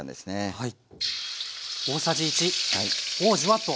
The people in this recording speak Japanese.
はい。